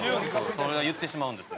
それは言ってしまうんです。